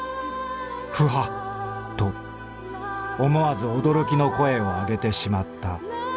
『フハッ』と思わず驚きの声を上げてしまった」。